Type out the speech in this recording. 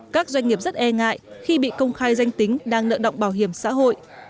các doanh nghiệp rất e ngại khi bị công khai danh tính đang nợ động bảo hiểm xã hội